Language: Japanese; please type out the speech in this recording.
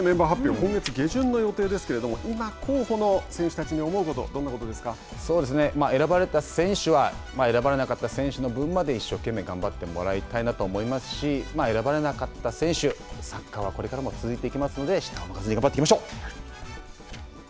今月下旬の予定ですけれども候補の選手たちに思うことどんなそうですね、選ばれた選手は選ばれなかった選手の分まで一生懸命頑張ってもらいたいなと思いますし選ばれなかった選手、サッカーはこれからも続いていきますのでしっかり頑張っていきましょう。